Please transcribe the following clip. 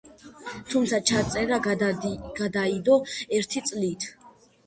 თუმცა, ჩაწერა გადაიდო ერთი წლით.